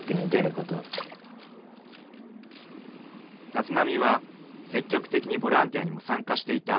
［立浪は積極的にボランティアにも参加していた］